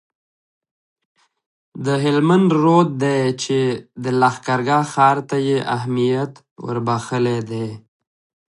د هلمند رود دی چي د لښکرګاه ښار ته یې اهمیت وربخښلی دی